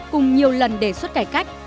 cùng nhiều lần đề xuất cải cách